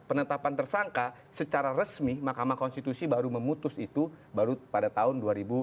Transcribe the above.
penetapan tersangka secara resmi mahkamah konstitusi baru memutus itu baru pada tahun dua ribu tujuh belas